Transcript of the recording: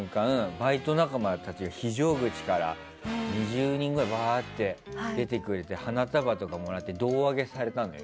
バイト仲間たちが非常口から２０人くらい出てくれて花束とかをもらって胴上げされたのよ。